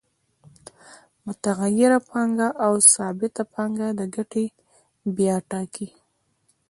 متغیره پانګه او ثابته پانګه د ګټې بیه ټاکي